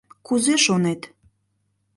— Кузе шонет.